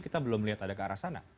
kita belum melihat ada ke arah sana